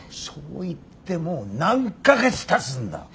そう言ってもう何か月たつんだ！